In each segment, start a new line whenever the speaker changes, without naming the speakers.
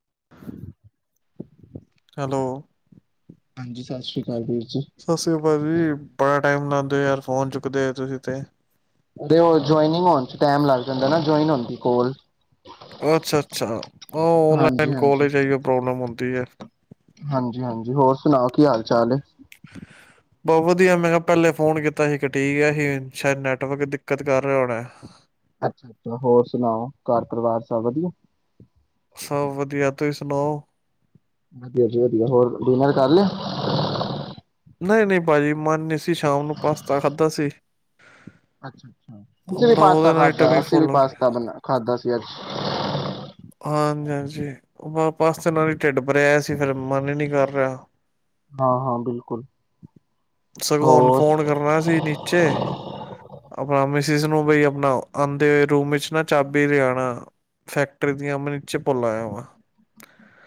[unintelligible] Hello.
ਹਾਂਜੀ, ਸਤਿ ਸ੍ਰੀ ਅਕਾਲ ਜੀ।
ਸਤਿ ਸ੍ਰੀ ਅਕਾਲ ਜੀ, ਬੜਾ ਟਾਈਮ ਨਾਲ ਤੇ ਯਾਰ ਫੋਨ ਚੁੱਕਦੇ ਓ ਤੁਸੀਂ ਤੇ।
ਤੇ ਉਹ ਜੁਆਇਨਿੰਗ ਹੋਣ ਚ ਟੈਮ ਲੱਗ ਜਾਂਦਾ ਨਾ, ਜੁਆਇਨ ਹੋਣ ਦੀ ਕੋਲ।
ਅੱਛਾ ਅੱਛਾ,
ਹਾਂਜੀ
ਔਨਲਾਈਨ ਕਾਲ
ਹਾਂਜੀ।
ਇੱਚ ਇਹੀਓ ਪ੍ਰੋਬਲਮ ਹੁੰ ਦੀ ਐ।
ਹਾਂਜੀ ਹਾਂਜੀ, ਹੋਰ ਸੁਣਾਓ ਕੀ ਹਾਲ ਚਾਲ ਐ?
ਬਹੁਤ ਵਧੀਆ ਮੈਂ ਕਿਹਾ ਪਹਿਲੇ ਫੋਨ ਕੀਤਾ ਸੀ ਕੱਟੀ ਗਿਆ ਹੀ, ਸ਼ਾਇਦ ਨੈਟਵਰਕ ਦਿੱਕਤ ਕਰ ਰਿਹਾ ਹੋਣਾ।
ਅੱਛਾ ਅੱਛਾ ਹੋਰ ਸੁਣਾਓ, ਘਰ ਪਰਿਵਾਰ ਸਭ ਵਧੀਆ?
ਸਭ ਵਧੀਆ ਤੁਸੀਂ ਸੁਣਾਓ।
ਵਧੀਆ ਜੀ, ਵਧੀਆ ਹੋਰ ਡਿਨਰ ਕਰ ਲਿਆ।
ਨਈਂ ਨਈਂ ਭਾਜੀ ਮਨ ਨਹੀਂ ਸੀ, ਸ਼ਾਮ ਨੂੰ ਪਾਸਤਾ ਖਾਧਾ ਸੀ।
ਅੱਛਾ ਅੱਛਾ, ਅਸੀਂ ਵੀ
ਬਸ
ਪਾਸਤਾ
ਉਹਦੇ ਨਾਲ ਹੀ
ਖਾਧਾ
ਟਮੀ
ਅਸੀਂ ਵੀ
ਫੁੱਲ ਹੋ ਗਈ,
ਪਾਸਤਾ ਬਣ ਖਾਧਾ ਸੀ ਅੱਜ
ਹਾਂਜੀ ਹਾਂਜੀ, ਉਹ ਪਾਸਤਾ ਨਾਲ ਹੀ ਢਿੱਡ ਭਰਿਆ ਸੀ ਫਿਰ ਮਨ ਹੀ ਨੀਂ ਕਰ ਰਿਹਾ।
ਹਾਂ ਹਾਂ ਬਿਲਕੁਲ।
ਸਗੌਂ ਹੁਣ
ਹੋਰ
ਫੋਨ ਕਰਨਾ ਸੀ ਨੀਚੇ ਆਪਣਾ ਮਿ ਸਸ ਨੂੰ ਬ ਆਪਣਾ ਆਦੇ ਹੋਏ, ਰੂਮ ਵਿੱਚ ਨਾ ਚਾਬੀ ਲੈ ਆਣਾ ਫੈਕਟਰੀ ਦੀਆਂ ਮੈਂ ਨੀਚੇ ਭੁੱਲ ਆਇਆ ਵਾਂ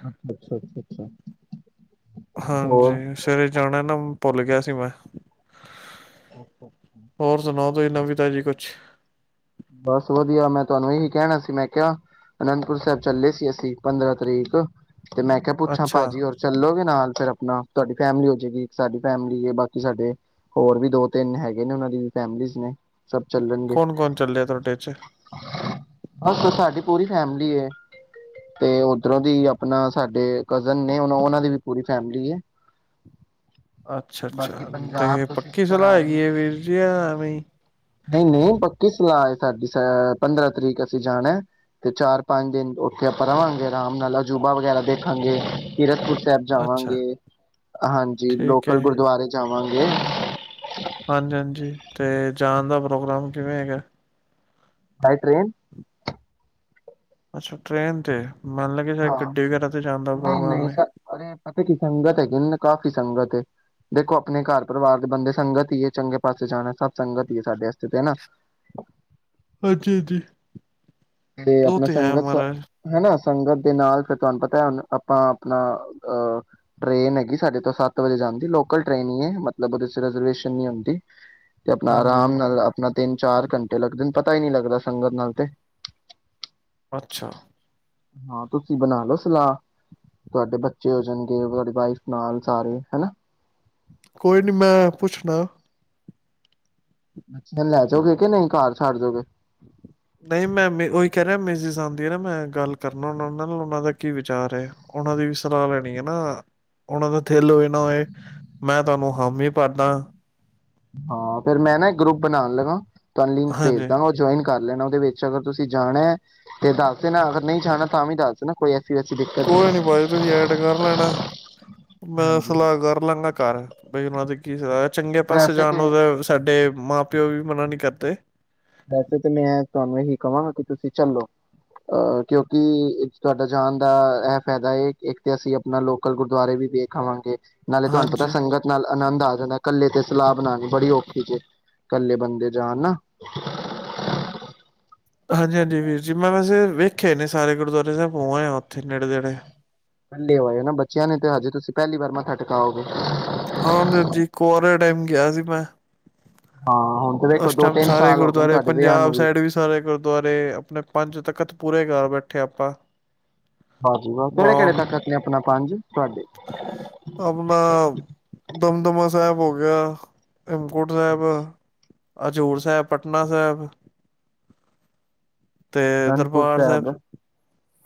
ਅੱਛਾ ਅੱਛਾ ਅੱਛਾ ਅੱਛਾ।
ਹਾਂਜੀ
ਹੋਰ
ਸਵੇਰੇ ਜਾਣਾ ਨਾਂ ਭੁੱਲ ਗਿਆ ਸੀ ਮੈਂ। ਹੋਰ ਸੁਣਾਉ। ਕੋਈ ਨਵੀ ਤਾਜੀ ਕੁਛ
ਬਸ ਵਧੀਆ ਮੈਂ ਤੁਆਨੂੰ ਇਹੀ ਕਹਿਣਾ ਸੀ, ਮੈਂ ਕਿਹਾ ਅਨੰਦਪੁਰ ਸਾਹਿਬ ਚੱਲੇ ਸੀ, ਅਸੀਂ ਪੰਦਰਾਂ ਤਰੀਕ ਤੇ ਮੈਂ ਕਿਹਾ ਪੁੱਛਾਂ
ਅੱਛਾ
ਭਾਜੀ ਹੋਰ ਚੱਲੋਗੇ। ਨਾਲ ਫਿਰ ਆਪਣਾ ਤੁਆਡੀ ਫੈਮਿਲੀ ਹੋ ਜਾਏਗੀ, ਇੱਕ ਸਾਡੀ ਫੈਮਿਲੀ ਬਾਕੀ ਸਾਡੇ ਹੋਰ ਵੀ ਦੋ ਤਿੰਨ ਹੈਗੇ ਨੇ ਉਹਨਾਂ ਦੀ ਫੈਮਲੀਸ ਨੇ ਸਭ ਚੱਲਣਗੇ।
ਤੁਆਡੇ ਚ
ਬਸ ਸਾਡੀ ਪੂਰੀ ਫੈਮਲੀ ਐ ਤੇ ਓਧਰੋਂ ਦੀ ਆਪਣਾ ਸਾਡੇ ਕਜ਼ਨ ਨੇ ਉਹਨਾਂ ਦੀ ਵੀ ਪੂਰੀ ਫੈਮਲੀ ਐ।
ਅੱਛਾ ਅੱਛਾ ਤੇ ਪੱਕੀ
ਸਿਸਟਰ
ਸਲਾਹ
ਆ
ਹੈਗੀ
ਰਹੀ
ਏ ਵੀਰ ਜੀ ਆ ਐਵੇਂ।
ਆ ਸਾਡੀ ਅ ਪੰਦਰਾਂ ਤਰੀਕ ਅਸੀਂ ਜਾਣਾ ਤੇ ਚਾਰ-ਪੰਜ ਦਿਨ ਉੱਥੇ ਆਪਾਂ ਰਵਾਂਗੇ, ਆਰਾਮ ਨਾਲ ਅਜੂਬਾ ਵਗੈਰਾ ਦੇਖਾਂਗੇ ਕੀਰਤਪੁਰ ਸਾਹਿਬ
ਅੱਛਾ
ਜਾਵਾਂਗੇ ਹਾਂਜੀ
ਠੀਕ ਹੈ
ਲੋਕਲ ਗੁਰਦੁਆਰੇ ਜਾਵਾਂਗੇ ਵਾਂਗ
ਹਾਂਜੀ ਹਾਂਜੀ ਤੇ ਜਾਣ ਦਾ ਪ੍ਰੋਗਰਾਮ ਕਿਵੇਂ ਹੈਗਾ
ਬਾਏ ਟ੍ਰੇਨ
ਅੱਛਾ ਟ੍ਰਰੇਨ ਤੇ ਮੰਨ ਲੱਗਿਆ ਸ਼ਾਇਦ
ਹਾਂ,
ਗੱਡੀ ਵਗੈਰਾ ਤੇ ਜਾਣ ਦਾ
ਨਈਂ
ਪ੍ਰੋਗਰਾਮ
ਨਈਂ
ਹੈ
ਸਾਰੇ ਪਤਾ ਕੀ ਸੰਗਤ ਹੈਗੀ ਕਿ ਕਾਫੀ ਸੰਗਤ ਹੈ ਦੇਖੋ ਆਪਣੇ ਘਰ ਪਰਿਵਾਰ ਦੇ ਬੰਦੇ ਸੰਗਤ ਈ ਐ, ਚੰਗੇ ਪਾਸੇ ਜਾਣਾ ਸਭ ਸੰਗਤ ਈ ਐ ਸਾਡੇ ਵਸਤੇ ਤੇ ਨਾਂ।
ਹਾਂਜੀ ਹਾਂਜੀ।
ਤੇ
ਉਹ
ਆਪਣਾ
ਹੈ
ਸੰਗਤ
ਮਹਾਰਾਜ
ਹੈ ਨਾਂ। ਸੰਗਤ ਦੇ ਨਾਲ ਫਿਰ ਤੁਆਨੂੰ ਪਤਾ ਆਪਾਂ ਆਪਣਾ ਅ ਟ੍ਰੇਨ ਹੈਗੀ ਸਾਡੇ ਤੋਂ ਸੱਤ ਵਜੇ ਜਾਂਦੀ ਲੋਕਲ ਟ੍ਰੇਨ ਈ ਐ, ਮਤਲਬ ਉਹਦੇ ਚ ਰਿਜ਼ਰਵੇਸ਼ਨ ਨੀਂ ਹੁੰਦੀ। ਤੇ ਆਪਣਾ
ਹਾਂਜੀ
ਆਰਾਮ ਨਾਲ ਆਪਣਾ ਤਿੰਨ-ਚਾਰ ਘੰਟੇ ਲੱਗਦੇ ਨੇ ਪਤਾ ਹੀ ਨਈਂ ਲੱਗਦਾ ਸੰਗਤ ਨਾਲ ਤੇ
ਅੱਛਾ।
ਹਾਂ ਤੁਸੀਂ ਬਣਾ ਲੋ ਸਲਾਹ, ਤੁਹਾਡੇ ਬੱਚੇ ਹੋ ਜਾਣਗੇ, ਤੁਹਾਡੀ ਵਾਈਫ ਨਾਲ, ਸਾਰੇ ਹਨਾ।
ਕੋਈ ਨੀ ਮੈਂ ਪੁੱਛਣਾ।
ਬੱਚੀਆਂ ਨੂੰ ਲੈ ਜਾਓਗੇ ਕੇ ਨਹੀਂ? ਘਰ ਛੱਡ ਜੋਗੇ?
ਆਂਦੀ ਹੇ ਨਾ ਮੈਂ ਗੱਲ ਕਰਨਾ ਉਹਨਾਂ ਨਾਲ, ਉਹਨਾਂ ਦਾ ਕੀ ਵਿਚਾਰ ਏ? ਉਹਨਾਂ ਦੀ ਵੀ ਸਲਾਹ ਲੈਣੀ ਹੈ ਨਾ, ਉਹਨਾਂ ਦਾ ਦਿਲ ਹੋਏ ਨਾ ਹੋਏ, ਮੈਂ ਤੁਹਾਨੂੰ ਹਾਮ ਹੀ ਭਰਦਾ।
ਹਾਂ, ਫਿਰ ਮੈਂ ਨਾ ਇੱਕ ਗਰੁੱਪ ਬਣਾਉਣ ਲਗਾ ਤੁਹਾਨੂੰ ਲਿੰਕ ਭੇਜ
ਹਾਂਜੀ
ਦਾਂਗਾ, ਉਹ ਜਆਇਨ ਕਰ ਲੈਣਾ ਉਹਦੇ ਵਿੱਚ ਅਗਰ ਤੁਸੀਂ ਜਾਣਾ ਏ ਤੇ ਦੱਸ ਦੇਣਾ, ਅਗਰ ਨਹੀਂ ਜਾਣਾ ਤਾਂ ਵੀ ਦੱਸ ਦੇਣਾ ਕੋਈ ਐ
ਕੋਈ ਨੀ ਭਾਜੀ, ਤੁਸੀਂ ਐਡ ਕਰ ਲੈਣਾ, ਮੈਂ
ਹਾਂਜੀ
ਸਲਾਹ
ਹਾਂਜੀ
ਕਰ ਲਾਂਗਾ ਘਰ, ਬਈ ਉਹਨਾਂ ਦੀ ਕੀ ਸਲਾਹ ਚੰਗੇ ਪਾਸੇ ਜਾਣ ਨੂੰ ਤੇ ਸਾਡੇ ਮਾਂ ਪਿਓ ਵੀ ਮਨਾ ਨਹੀਂ ਕਰਦੇ।
ਵੈਸੇ ਤੇ ਮੈਂ ਤੁਹਾਨੂੰ ਇਹੀ ਕਵਾਂਗਾ ਕਿ ਤੁਸੀਂ ਚੱਲੋ, ਅਹ ਕਿਉਂਕਿ ਤੁਹਾਡਾ ਜਾਣ ਦਾ ਇਹ ਫਾਇਦਾ ਹੈ ਇੱਕ ਤਾਂ ਅਸੀਂ ਆਪਣਾ ਲੋਕਲ ਗੁਰਦੁਆਰੇ ਵੀ ਵੇਖ ਆਵਾਂਗੇ। ਨਾਲੇ ਤੁਹਾਨੂੰ ਪਤਾ
ਹਾਂਜੀ
ਸੰਗਤ ਨਾਲ ਆਨੰਦ ਆ ਜਾਂਦਾ ਏ, ਕੱਲੇ ਤੇ ਸਲਾਹ ਬਣਾਣੀ ਬੜੀ ਔਖੀ ਜੇ, ਇਕੱਲੇ ਬੰਦੇ ਜਾਣ ਨਾ। [inaudible]
ਹਾਂਜੀ-ਹਾਂਜੀ ਵੀਰ ਜੀ, ਮੈਂ ਵੈਸੇ ਵੇਖੇ ਨੇ ਸਾਰੇ ਗੁਰਦੁਆਰੇ ਸਾਹਿਬ, ਹੋ ਆਯਾ ਆ ਉੱਥੇ ਨੇੜੇ ਤੇੜੇ।
ਇਕੱਲੇ ਹੋਏ ਨਾ, ਬੱਚਿਆਂ ਨੇ ਤੇ ਹਜੇ ਤੁਸੀਂ ਪਹਿਲੀ ਵਾਰ ਮੱਥਾ ਟਿਕਾਓਗੇ।
ਹਾਂਜੀਜੀ ਕੁਆਰੇਆਂ ਟਾਈਮ ਗਿਆ ਸੀ ਮੈਂ।
ਹਾਂ ਹੁਣ ਤੇ ਵੇਖੋ
ਉਸ
ਦੋ
ਟਾਈਮ
ਤਿੰਨ
ਸਾਰੇ
ਸਾਲ ਹੋ ਗਏ ਨੇ
ਗੁਰਦੁਆਰੇ,
ਤੁਹਾਡੇ ਵਿਆਹ
ਪੰਜਾਬ
ਨੂੰ
ਸਾਈਡ ਵੀ ਸਾਰੇ ਗੁਰਦੁਆਰੇ ਆਪਣੇ ਪੰਜ ਤਖਤ ਪੂਰੇ ਕਰ ਬੈਠੇ ਆਪਾਂ।
ਹਾਂਜੀ, ਕਿਹੜੇ-ਕਿਹੜੇ
ਬਨ
ਤਖ਼ਤ ਨੇ ਆਪਣਾ? ਪੰਜ ਤੁਹਾਡੇ
ਆਪਣਾ ਦਮਦਮਾ ਸਾਹਿਬ ਹੋ ਗਿਆ ਹੇਮਕੁੰਟ ਸਾਹਿਬ। ਹਜ਼ੂਰ ਸਾਹਿਬ, ਪਟਨਾ ਸਾਹਿਬ। ਤੇ ਦਰਬਾਰ ਸਾਹਿਬ।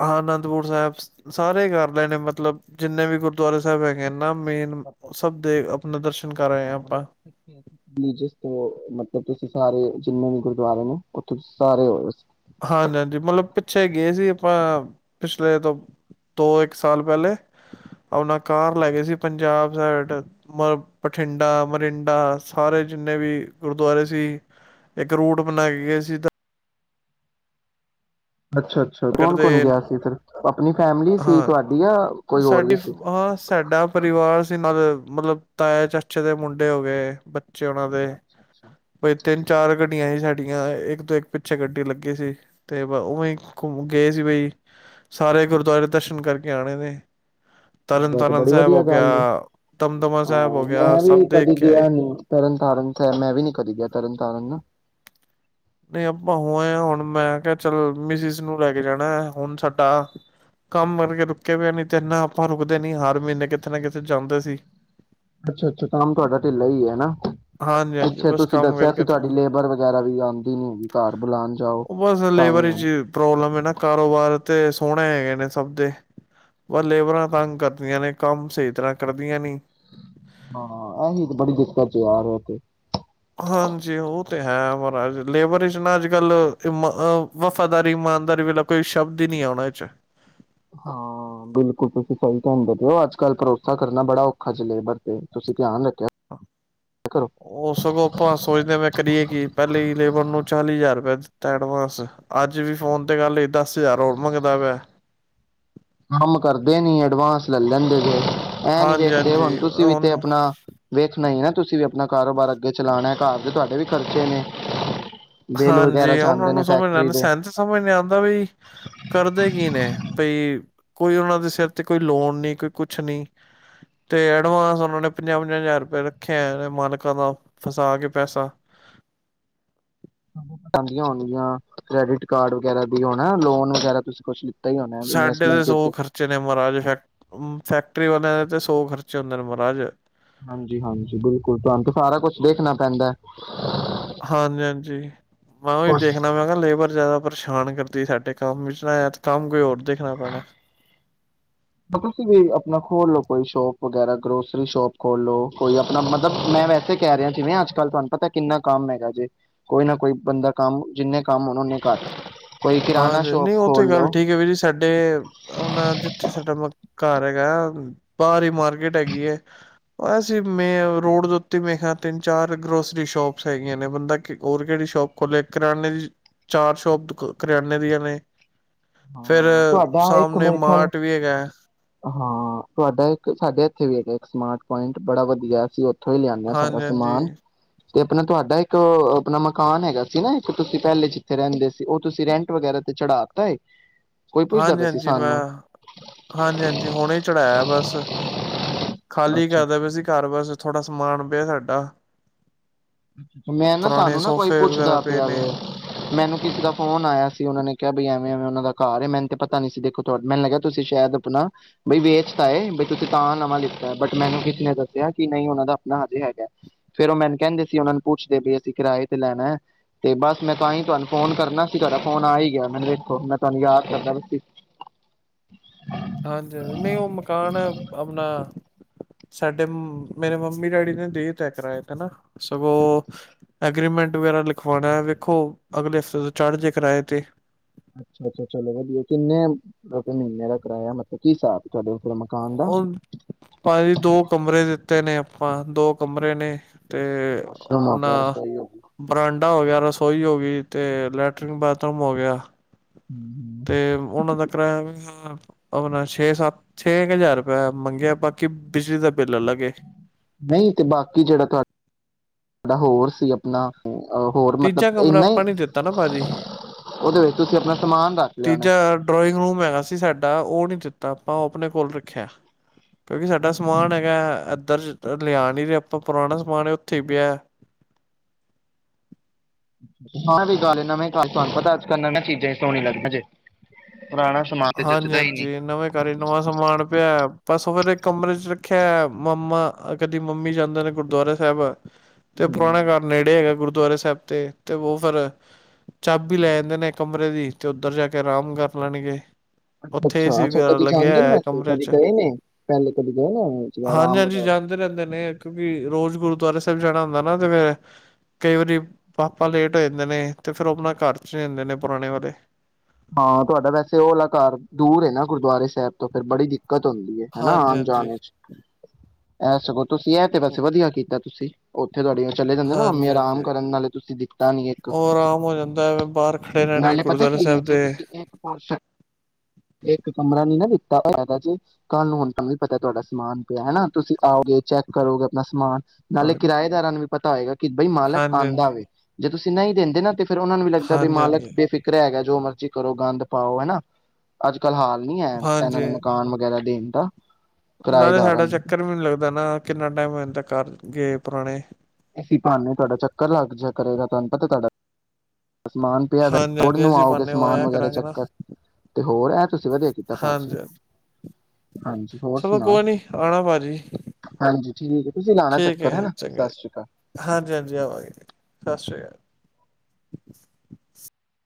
ਹਾਂ ਅਨੰਦਪੁਰ ਸਾਹਿਬ, ਸਾਰੇ ਕਰ ਲਏ ਨੇ ਮਤਲਬ ਜਿੰਨੇ ਵੀ ਗੁਰਦੁਆਰੇ ਸਾਹਿਬ ਹੈਗੇ ਨੇ। ਨਾ ਮੇਨ ਸਭ ਦੇ ਅ ਨਦਰਸ਼
ਹਾਂ ਰਿਲੀਜੀਅਸਟ ਮਤਲਬ ਤੁਸੀਂ ਸਾਰੇ ਜਿੰਨੇ ਵੀ ਗੁਰਦਆਰੇ ਨੇ, ਉੱਥੇ ਸਾਰੇ ਹੋ ਆਏ।
ਹਾਂਜੀ-ਹਾਂਜੀ ਮਤਲਬ ਪਿੱਛੇ ਗਏ ਸੀ ਆਪਾਂ ਪਿਛਲੇ ਤੋਂ ਦੋ ਇੱਕ ਸਾਲ ਪਹਿਲੇ, ਆਪਣਾ ਕਾਰ ਲੈ ਗਏ ਸੀ ਪੰਜਾਬ ਸਾਈਡ ਮ ਬਠਿੰਡਾ, ਮਰਿੰਡਾ ਸਾਰੇ ਜਿੰਨੇ ਵੀ ਗੁਰਦੁਆਰੇ ਸੀ, ਇੱਕ ਰੂਟ ਬਣਾ ਕੇ ਗਏ ਸੀ।
ਅੱਛਾ-ਅੱਛਾ ਕੌਣ-ਕੌਣ
ਕਰਦੇ
ਗਿਆ ਸੀ ਫਿਰ? ਆਪਣੀ ਫੈਮਿਲੀ ਸੀ
ਹਾਂ
ਤੁਹਾਡੀ ਯਾ ਕੋਈ ਹੋਰ ਵੀ ਸੀ?
ਤੇ ਨਾਲ ਮਤਲਬ ਤਾਯਾ, ਚਾਚੇ ਦੇ ਮੁੰਡੇ ਹੋ ਗਏ ਬ ਬਚੇ ਉਹਨਾਂ ਦੇ,
ਅੱਛਾ,
ਬਈ ਤਿੰਨ ਚਾਰ ਗੱਡੀਆਂ ਸੀ ਸਾਡੀਆਂ ਇੱਕ ਤੋਂ ਇੱਕ ਪਿੱਛੇ ਗੱਡੀ ਲੱਗੀ ਸੀ ਅਤੇ ਉਵੇਂ ਹੀ ਘੁੰਮਣ ਗਏ ਸੀ ਬਈ ਸਾਰੇ ਗੁਰਦੁਆਰੇ ਦਰਸ਼ਨ ਕਰਕੇ ਆਣੇ ਨੇ। ਤਰਨ
ਇਹ ਤੇ
ਤਾਰਨ
ਬੜੀ
ਸਾਹਿਬ ਹੋ
ਵਧੀਆ
ਗਿਆ
ਗੱਲ ਏ
ਦਮਦਮਾ ਸਾਹਿਬ ਹੋ
ਹਾਂ
ਗਿਆ
ਮੈਂ
ਸਭ
ਵੀ
ਦੇਖ
ਕਦੀ
ਕੇ ਆਏ
ਗਿਆ ਨੀ ਤਰਨ ਤਾਰਨ ਸਾਹਿਬ ਤੇ ਮੈਂ ਵੀ ਨੀ ਗਿਆ ਤਰਨ ਤਾਰਨ ਨਾਂ।
ਨਈਂ ਆਪਾਂ ਹੋ ਆਏ ਹੁਣ ਮੈਂ ਕਿਹਾ ਚੱਲ ਮਿਸਿਸ ਨੂੰ ਲੈ ਕੇ ਜਾਣਾ, ਹੁਣ ਸਾਡਾ ਕੰਮ ਕਰਕੇ ਰੁਕੇ ਪਏ ਆਂ ਤੇ ਇਨ੍ਹਾਂ ਆਪਾਂ ਰੁਕਦੇ ਨੀ ਹਰ ਮਹੀਨੇ ਕਿਥੇ ਨਾ ਕਿਥੇ ਜਾਂਦੇ ਸੀ।
ਅੱਛਾ, ਅੱਛਾ ਕੰਮ ਤੁਆਡਾ ਢਿੱਲਾ ਈ ਹੈ ਹਨਾਂ
ਹਾਂਜੀ, ਹਾਂਜੀ ਬਸ ਕੰਮ ਕਰਕੇ ਥੋੜਾ
ਲੇਬਰ ਵਗੈਰਾ ਵੀ ਆਉਂਦੀ ਨੀ ਹੈਗੀ ਘਰ ਬੁਲਾਉਣ ਜਾਓ ਤਾਂ
ਲੇਬਰ
ਵੀ
ਵਿਚ
ਆਉਂਦੀ।
ਪ੍ਰੋਬਲਮ ਐ ਨਾਂ ਕਾਰੋਬਾਰ ਤੇ ਸੋਹਣੇ ਹੈਗੇ ਨੇ ਸਭ ਦੇ ਪਰ ਲੇਬਰਾਂ ਤੰਗ ਕਰਦੀਆਂ ਨੇ, ਕੰਮ ਸਹੀ ਤਰ੍ਹਾਂ ਕਰਦੀਆਂ ਨੀਂ।
ਹਾਂ ਅਹੀ ਤੇ ਬੜੀ ਦਿੱਕਤ ਆਰ ਕੇ [unintelligible]
ਹਾਂਜੀ ਉਹ ਤੇ ਹੈ ਮਹਾਰਾਜ, ਲੇਬਰ ਵਿਚ ਨਾ ਅੱਜ-ਕੱਲ ਇਮ ਵਫ਼ਾਦਾਰੀ ਇਮਾਨਦਾਰੀ ਵੀਚ ਕੋਈ ਸ਼ਬਦ ਈ ਨੀਂ ਆ ਉਹਨਾ ਵਿਚ
ਹਾਂ, ਬਿਲਕੁਲ ਬਿਲਕੁਲ ਸਹੀ ਕਹਿੰਦੇ ਪਏਓ ਅੱਜ ਕੱਲ ਭਰੋਸਾ ਕਰਨਾ ਬੜਾ ਔਖਾ ਚ ਲੇਬਰ ਤੇ ਤੁਸੀਂ ਧਿਆਨ ਰੱਖ
ਉਹ ਸਗੋਂ ਆਪਾਂ ਸੋਚਦੇ ਮੈਂ ਕਰੀਏ ਕਿ ਪਹਿਲੀ ਲੇਬਰ ਨੂੰ ਚਾਲੀ ਹਜ਼ਾਰ ਰੁਪਆ ਐਡਵਾਂਸ ਅੱਜ ਵੀ ਫੋਨ ਤੇ ਗੱਲ ਹੋਈ ਦਸ ਹਜ਼ਾਰ ਹੋਣ ਮੰਗਦਾ ਪਿਆ
ਕੰਮ ਕਰਦੇ ਨੀ ਐਡਵਾਂਸ ਲੈ ਲੈਂਦੇ ਨੇਂ ਐਂ ਨੀ
ਹਾਂਜੀ
ਵੇਖਦੇ ਹੁਣ
ਹਾਂਜੀ
ਤੁਸੀਂ ਵੀ ਆਪਣਾ ਵੇਖਣਾ ਈ ਐ ਤੁਸੀਂ ਵੀ ਆਪਣਾ ਕਾਰੋਬਾਰ ਅੱਗੇ ਚਲਾਣਾ, ਘਰ ਦੇ ਤੁਹਾਡੇ ਵੀ ਖਰਚੇ ਨੇ। ਬਿੱਲ
ਹਾਂਜੀ
ਵਗੈਰਾ
ਉਨ੍ਹਾਂ
ਜਾਂਦੇ ਨੇ
ਨੂੰ ਸਮਝ ਨ
ਫੈਕਟਰੀ
ਆਂ
ਦੇ
ਸੈਨੂੰ ਤੇ ਸਮਝ ਨੀਂ ਆਂਦਾ ਬੀ ਕਰਦੇ ਕੀ ਨੇ ਬਈ ਕੋਈ ਉਹਨਾਂ ਦੇ ਸਿਰ ਤੇ ਕੋਈ ਲੋਨ ਨੀ ਕੋਈ ਕੁਛ ਨੀ, ਤੇ ਐਡਵਾਂਸ ਉਹਨਾਂ ਨੇ ਪੰਜਾਹ, -ਪੰਜਾਹ ਹਜ਼ਾਰ ਰੁਪਏ ਰੱਖੇ ਐ ਇਹ ਮਾਲਕਾਂ ਦਾ ਫਸਾ ਕੇ ਪੈਸਾ।
ਪਾਂ ਦੀਆਂ ਹੋਣਗੀਆਂ, ਕ੍ਰੈਡਿਟ ਕਾਰਡ ਵਗੈਰਾ ਵੀ ਹੋਣਾ ਲੋਨ ਵਗੈਰਾ ਤੁਸੀਂ ਕੁਛ ਲਿ
ਸਾਡੇ ਤੇ ਸੌ ਖਰਚੇ ਨੇ ਮਹਾਰਾਜ, ਫੈਕ ਫੈ ਫੈਕਟਰੀ ਵਾਲਿਆਂ ਦੇ ਤੇ ਸੌ ਖਰਚੇ ਹੁੰਦੇ ਨੇ, ਮਹਾਰਾਜ।
ਹਾਂਜੀ ਹਾਂਜੀ ਬਿਲਕੁਲ, ਤੁਆਨੂੰ ਤੇ ਸਾਰਾ ਕੁਛ ਦੇਖਣਾ ਪੈਂਦਾ।
ਹਾਂਜੀ ਹਾਂਜੀ, ਮੈਂ ਉਹੀ
ਕੁਛ
ਦੇਖਣਾ ਮੈਂ ਕਿਹਾ ਲੇਬਰ ਜ਼ਿਆਦਾ ਪਰੇਸ਼ਾਨ ਕਰਦੀ ਸਾਡੇ ਕੰਮ ਵਿੱਚ ਨਾ ਜਾਂ, ਤੇ ਕੰਮ ਕੋਈ ਹੋਰ ਦੇਖਣਾ ਪੈਣਾ।
ਤੁਸੀਂ ਵੀ ਆਪਣਾ ਖੋਲ ਲੋ ਕੋਈ ਸ਼ੋਪ ਵਗੈਰਾ, ਗਰੋਸਰੀ ਸ਼ੋਪ ਖੋਲ ਲੋ ਕੋਈ ਆਪਣਾ ਮਤਲਬ, ਮੈਂ ਵੈ ਤੇ ਕਹਿ ਰਿਹਾ, ਜਿਵੇਂ ਅੱਜ ਕੱਲ ਤੁਹਾ ਪਤਾ ਕਿੰਨਾ ਕੰਮ ਹੈਗਾ ਜੇ, ਕੋਈ ਨਾ ਕੋਈ ਬੰਦਾ ਕੰਮ ਜਿੰਨੇ ਕੰਮ ਹੋਣ ਓਨੇ ਘੱਟ ਕੋਈ ਕਿਰਾਣਾ
ਹਾਂਜੀ,
ਸ਼ੋਪ
ਨ੍ਹੀਂ ਉਹ ਤੇ
ਖੋਲ ਲੋ
ਗੱਲ ਠੀਕ ਐ ਵੀਰ ਜੀ ਸਾਡੇ ਆਪਣਾ ਜਿੱਥੇ ਸਾਡਾ ਮਕਾ ਘਰ ਹੈਗਾ ਆ, ਬਾਹਰ ਈ ਮਾਰਕੀਟ ਹੈਗੀ ਐ, ਵੇਸੇ ਮੇਨ ਰੋਡ ਦੇ ਉੱਤੇ ਮੈਂ ਕਿਹਾ ਤਿੰਨ-ਚਾਰ ਗਰੋਸਰੀ ਸ਼ੋਪਸ ਹੈਗੀਆਂ ਨੇ, ਬੰਦਾ ਕਿ ਹੋਰ ਕਿਹੜੀ ਸ਼ੋਪ ਖੋਲੇ ਕਰਿਆਨੇ ਦੀ ਚਾਰ ਸ਼ੋਪ ਗ ਕਰਿਆਨੇ ਦੀਆਂ ਨੇ ਫਿਰ
ਹਾਂ ਤੁਹਾਡਾ ਇੱਕ
ਸਾਹਾਮਣੇ
ਮੇਰੇ
ਮਾਰਟ ਵੀ ਹੈਗਾ ਆ।
ਤੁਆਡਾ ਇੱਕ ਸਾਡੇ ਇੱਥੇ ਵੀ ਹੈਗਾ ਇੱਕ ਸਮਾਰਟ ਪੁਆਇੰਟ, ਬੜਾ ਵਧੀਆ ਅਸੀਂ ਉ ਥੋਂ ਹੀ ਲਿਆਣੇ ਆ, ਸਾਰਾ
ਹਾਂਜੀ-ਹਾਂਜੀ।
ਸਮਾਨ ਤੇ ਆਪਣਾ ਤੁਆਡਾ ਇੱਕ ਆਪਣਾ ਮਕਾਨ ਹੈਗਾ ਸੀਨਾਂ ਇੱਕ ਤੁਸੀਂ ਪਹਿਲੇ ਜਿੱਥੇ ਰਹਿੰਦੇ ਸੀ, ਉਹ ਤੁਸੀਂ ਰੈਂਟ ਵਗੈਰਾ ਤੇ ਚੜਾ ਤਾ ਐ
ਹਾਂਜੀ- ਹਾਂਜੀ ਮੈਂ, ਹਾਂਜੀ- ਹਾਂਜੀ ਹੁਣੇ ਹੀ ਚੜ੍ਹਾਇਆ ਬਸ, ਖਾਲੀ
ਅੱਛਾ
ਕਰ ਦੇ ਪਈ ਸੀ ਘਰ, ਬਸ ਥੋੜਾ ਸਮਾਨ ਪਿਆ ਸਾਡਾ ਡਾ
ਮੈਂ ਨਾ ਸਾਨੂੰ ਨਾ ਕੋਈ
ਵਗੈਰਾ
ਪੁੱਛਦਾ
ਪਏ
ਪਿਆ ਵ,
ਨੇ
ਮੈਨੂੰ ਕਿਸੇ ਦਾ ਫੋਨ ਆਇਆ ਸੀ ਉਹਨਾਂ ਨੇ ਕਿਹਾ ਬਈ ਐਵੇ ਇਵੇਂ ਇਵੇਂ ਉਹਦਾ ਘਰ ਆ, ਮੈਨੂੰ ਤਾਂ ਪਤਾ ਨੀ ਸੀ ਦੇਖੋ ਮੈਨੂੰ ਲੱਗਿਆ ਤੁਸੀਂ ਸ਼ਾਇਦ ਆਪਣਾ ਬਈ ਵੇਚ ਤਾਂਏ, ਬਈ ਤੁਸੀਂ ਤਾਂ ਨਵਾਂ ਲਿੱਤਾ ਆ, ਬਟ ਮੈਨੂੰ ਕਿਸੇ ਨੇ ਦੱਸਿਆ ਕਿ ਨਹੀਂ, ਉਹਨਾਂ ਦਾ ਆਪਣਾ ਹਜੇ ਹੈਗਾ। ਫੇਰ ਉਹ ਮੈਨੂੰ ਕਹਿੰਦੇ ਉਹਨਾ ਨੂੰ ਪੁੱਛਦੇ ਵੀ, ਅਸੀਂ ਕਿਰਾਏ ਤੇ ਲੈਣਾ ਆ ਤੇ ਬਸ ਮੈਂ ਤਾਂਹੀ ਤੁਹਾਨੂੰ ਫੋਨ ਕਰਨਾ ਸੀ। ਤੁਹਾਡਾ ਫੋਨ ਆ ਹੀ ਗਿਆ ਮੈਨੂੰ ਦੇੇਖੋ ਮੈਂ ਤੁਹਾਨੂੰ ਯਾਦ ਕਰਦਾ
ਹਾਂਜੀ- ਹਾਂਜੀ, ਨਹੀਂ ਉਹ ਮਕਾਨ ਆਪਣਾ ਸਾਡੇ ਮੇ ਮੇਰੇ ਮੰਮੀ ਡੈਡੀ ਨੇ ਦੇ ਦਿੱਤਾ ਕਿਰਾਏ ਤੇ ਨਾ, ਸਗੋਂ ਅਗਰੀਮੈਂਟ ਵਗੈਰਾ ਲਿਖਵਾਉਣਾ। ਵੇਖੋ, ਅਗਲੇ ਹਫ਼ਤੇ ਤੋਂ ਚੜ ਜੇ ਕਿਰਾਏ ਤੇ।
ਅੱਛਾ- ਅੱਛਾ ਚਲੋ ਵਧੀਆ, ਕਿੰਨੇ ਰੁਪਏ ਮਹੀਨੇ ਦਾ ਕਿਰਾਇਆ ਮਤਲਬ ਕੀ ਹਿਸਾਬ ਚਲੋ ਆ ਤੁਹਾਡੇ ਮਕਾਨ ਦਾ?
ਉਹ ਭਾਜੀ ਦੋ ਕਮਰੇ ਦਿੱਤੇ ਨੇ ਪਾਂ ਦੋ ਕਮਰੇ ਨੇ ਤੇ
ਰੂਮ ਹੋ
ਆਪਣਾ
ਗਿਆ ਰਸੋਈ ਹੋ ਗਈ।
ਬਰਾਂਡਾ ਹੋ ਗਿਆ। ਰਸੋਈ ਹੋ ਗਈ। ਅਤੇ ਲੈਟਰਿਨ, ਬਾਥਰੂਮ ਹੋ ਗਿਆ ਤੇ
ਹੂੰ
ਤੇ ਉਹਨਾਂ ਦਾ ਕਰਾਇਆ ਵੀ ਆਪਣਾ ਛੇ -ਸੱਤ ਛੇ ਕਾ, ਹਜ਼ਾਰ ਰੁਪਇਆ ਮੰਗਿਆ ਬਾਕੀ ਬਿਜਲੀ ਦਾ ਬਿੱਲ ਅਲੱਗ ਏ।
ਨਹੀਂ ਤੇ ਬਾਕੀ ਜਿਹੜਾ ਤੁਹਾਡਾ ਜਿਹੜਾ ਹੋਰ ਸੀ ਆਪਣਾ ਹੋਰ ਮਤਲਬ
ਤੀਜਾ ਕਮਰਾ
ਇੰਨਾ ਹੀ,
ਆਪਾਂ ਨੀ ਦਿੱਤਾ ਨਾ ਭਾਜੀ
ਉਹਦੇ ਵਿੱਚ ਤੁਸੀਂ ਆਪਣਾ ਸਮਾਨ ਰੱਖ ਲਿਆ ਹੋਣਾ।
ਤੀਜਾ, ਡਰਇੰਗ ਰੂਮ ਹੈਗਾ ਸੀ ਸਾਡਾ। ਉਹ ਨੀ ਦਿੱ ਤਾਂ ਆਪਾਂ ਆਪਣੇ ਕੋਲ ਹੀ ਰੱਖਿਆ। ਕਿਉਂਕਿ ਸਾਡਾ ਸਮਾਨ ਹੈਗਾ, ਅੱ ਇੱਧਰ ਲਿਆ ਨੀ, ਵੀ ਆਪਣਾ ਪੁਰਾਣਾ ਸਮਾਨ ਉੱਥੇ ਹੀ ਪਿਆ।
ਆ ਵੀ ਗੱਲ ਨਵੇਂ ਘਰ ਚ ਤੁਹਾਨੂੰ ਪਤਾ ਅੱਜ ਕੱਲ ਨਵੀਆਂ ਚੀਜ਼ਾਂ ਹੀ ਸੋਹਣੀਆਂ ਲੱਗਦੀਆਂ ਜੇ। ਪੁਰਾਣਾ ਸਮਾਨ ਤੇ ਜਚਦਾ ਹੀ ਨਹੀਂ।
ਹਾਂਜੀ-ਹਾਂਜੀ, ਨਵੇਂ ਘਰ ਵਿੱਚ, ਨਵਾਂ ਸਮਾਨ ਪਿਆ। ਬਸ, ਉਹ ਫਿਰ ਇੱਕ ਕਮਰੇ 'ਚ ਰੱਖਿਆ। ਮੰਮਾ, ਕਦੀ ਮੰਮੀ ਜਾਂਦੇ ਨੇ ਗੁਰਦੁਆਰਾ ਸਾਹਿਬ ਤੇ
ਹੂੰ।
ਪੁਰਾਣੇ ਘਰ ਨੇੜੇ ਹੈਗਾ। ਗੁਰੂ ਗੁਰਦੁਆਰੇ ਸਾਹਿਬ ਤੇ, ਤੇ ਉਹ ਫਿਰ, ਚਾਬੀ ਲੈ ਜਾਂਦੇ ਨੇ ਕਮਰੇ ਦੀ ਤੇ ਉੱਧਰ ਜਾ ਕੇ ਆਰਾਮ ਕਰ ਲੈਣਗੇ।
ਅੱਛਾ-ਅੱਛਾ,
ਉੱਥੇ ਏ
ਅੱਛਾ
ਸੀ
ਅੱਛਾ
ਵਗੈਰਾ
ਕਦੀ
ਲੱਗਿਆ
ਜਾਂਦੇ ਨੇ
ਹੈ
ਵੈਸੇ
ਕਮਰੇ
ਕਦੀ
ਚ।
ਗਏ ਨੇ ਪਹਿਲੇ ਕਦੀ ਗਏ ਨੇ ਰਾਮ
ਹਾਂਜੀ-ਹਾਂਜੀ,
ਵਗੈਰਾ ਤੇ
ਜਾਂਦੇ ਰਹਿੰਦੇ ਨੇ ਕਿਉਂਕਿ ਰੋਜ਼ ਗੁਰਦੁਆਰੇ ਸਾ ਤਦ ਜਾਣਾ ਹੁੰਦਾ ਨਾ ਤੇ ਫਿਰ, ਕਈ ਵਾਰੀ ਪਾਪਾ ਲੇਟ ਹੋ ਜਾਂਦੇ ਨੇ ਤੇ ਫੇਰ ਉਹ ਆਪਣੇ ਘਰ ਚ ਹੁੰਦੇ ਨੇ ਪੁਰਾਣੇ ਵਾਲੇ।
ਹਾਂ, ਤੁਹਾਡਾ ਵੈਸੇ ਉਹ ਵਾਲਾ ਘਰ ਦੂਰ ਹੈ ਨਾ ਗੁਰਦੁਆਰੇ ਸਾਹਿਬ ਤੋਂ ਫੇਰ ਬੜੀ ਦਿੱਕਤ ਦਿੱਕਤ ਹੁੰਦੀ ਹੈ। ਹਨਾ,
ਹਾਂਜੀ ਹਾਂਜੀ
ਆਉਣ-ਜਾਣ ਵਿੱਚ ਔ ਸਾਗੌ ਤੁਸੀਂ ਇਹ ਤੇ ਵੈਸੇ ਵਧੀਆ ਕੀਤ ਤਾਂ ਤੁਸੀਂ, ਉਹ ਤੇ ਤੁਹਾਡੇ ਚਲੇ ਜਾਂਦੇ ਨਾ, ਮੰਮੀ
ਹਾਂਜੀ
ਆਰਾਮ
ਹਾਂਜੀ
ਕਰਨ ਨਾਲੇ ਤੁਸੀਂ ਦਿੱਤਾ ਨੀ ਇੱਕ।
ਉਹ ਆਰਾਮ ਹੋ ਜਾਂਦਾ ਐਵੇਂ ਬਾਹਰ ਖੜੇ ਰਹਿਣਗੇ
ਨਾਲੇ ਪਤਾ
ਗੁਰਦੁਆਰਾ
ਕੀ ਐ
ਸਾਹਿਬ
ਜੇ
ਦੇ
ਤੁਸੀਂ ਇੱਕ ਪੋਰਸ਼ਨ, ਇੱਕ ਕਮਰਾ ਨੀ ਨਾ ਦਿ ਤਾਂ ਇਹ ਹੈਗਾ ਜੀ, ਕੱਲ ਨੂੰ ਹੁਨ ਤੁਹਾਨੂੰ ਪਤਾ ਤੁਹਾਡਾ ਸਮਾਨ ਪਿਆ ਹੈ। ਤੁਸੀਂ ਆਓਗੇ ਚੈੱਕ ਕਰੋਗੇ ਅਪਨਾ ਸਮਾਨ।
ਹਾਂ
ਨਾਲੇ ਕਿਰਾਏਦਾਰਾਂ ਨੂੰ ਪਤਾ ਹੋਏਗਾ। ਕਿ ਬਈ
ਹਾਂਜੀ
ਮਾਲਕ ਆਂਦਾ
ਹਾਂਜੀ
ਵੇ। ਜੇ ਤੁਸੀਂ ਨਈ ਦਿੰਦੇ ਨਾ ਤੇ ਫਿਰ ਉਹ ਨੂੰ ਵੀ ਲੱਗਦਾ, ਬਈ
ਹਾਂਜੀ
ਮਾਲਕ
ਹਾਂਜੀ
ਬੇਫਿਕਰਾ ਹੈਗਾ। ਜੋ ਮਰਜ਼ੀ ਜ ਕਰੋ ਗੰਦ ਪਾਓ। ਹੈਨਾ, ਅੱਜ ਕਲ੍ਹੱ ਹਾਲ ਨੀ ਹੈ। ਇਹਨਾਂ ਨੂੰ
ਹਾਂਜੀ
ਮਕਾਨ ਵਗੈਰਾ [inaudible] ਦੇਨਦਾ
ਨਾਲੇ ਸਾਡਾ ਚੱਕਰ ਵੀ ਨੀ ਲੱਗਦਾ ਨਾ। ਕਿੰਨਾ ਟਾਈਮ ਹੋ ਜਾਂਦਾ, ਘਰ ਗਏ ਪੁਰਾਣੇ।
ਏਸੀ ਬਹਾਨੇ ਤੁਹਾਡਾ ਚੱਕਰ ਲੱਗ ਜੇਆ ਕਰੇਗਾ। ਤੁਹਾਨੂੰ ਪਤਾ ਤੁਹਾਡਾ ਇਹ ਸਮਾਨ ਪਿਆ ਦਾ
ਹਾਂਜੀ
[unintelligible]
ਹਾਂਜੀ
ਨੂੰ
ਅਸੀਂ
ਆਓਗੇ
ਪਾਨੇ
ਸਮਾਨ
ਹੋਇਆ
ਵਗੈਰਾ ਚੱਕਣ ਤੇ ਹੋਰ ਐ
ਹਾਂਜੀ-ਹਾਂਜੀ।
ਹਾਂਜੀ ਹੋਰ
ਚਲੋ
ਸੁਣਾਓ
ਕੋਈ ਨੀ ਆਣਾ ਭਾਜੀ।
ਹਾਂਜੀ ਠੀਕ ਹੈ ਤੁਸੀਂ ਲਾਣਾ
ਠੀਕ ਏ,
ਚੱਕਰ ਹਨਾ
ਚੰਗਾ
ਸਤਿ ਸ਼੍ਰੀ ਅਕਾਲ
ਜੀ। ਹਾਂਜੀ-ਹਾਂਜੀ, ਆਵਾਂਗੇ। ਸਤਿ ਸ੍ਰੀ ਅਕਾਲ। [inaudible]